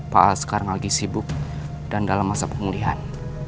pak as sekarang lagi sibuk dan dalam masa pengulihan